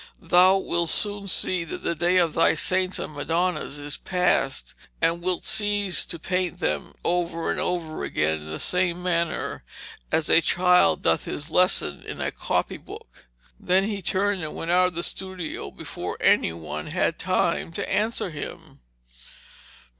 'Thou wilt soon see that the day of thy saints and Madonnas is past, and wilt cease to paint them over and over again in the same manner, as a child doth his lesson in a copy book.' Then he turned and went out of the studio before any one had time to answer him.